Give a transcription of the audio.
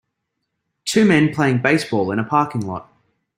Two men playing baseball in a parking lot.